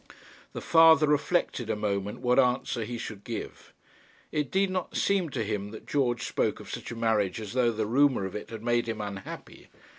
The father reflected a moment what answer he should give. It did not seem to him that George spoke of such a marriage as though the rumour of it had made him unhappy.